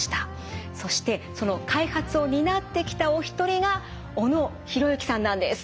そしてその開発を担ってきたお一人が小野裕之さんなんです。